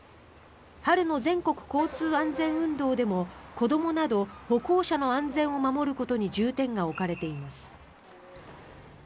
春の全国交通安全運動でも子どもなど歩行者の安全を守ることに重点が置かれています。